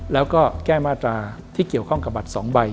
แล้วก็แก้มาตราที่เกี่ยวข้องกับบัตร๒ใบ